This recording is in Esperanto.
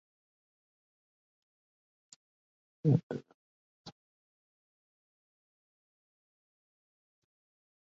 La difuzo estas pasiva kaj do ne bezonas energion.